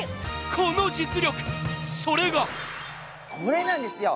この実力、それがこれなんですよ。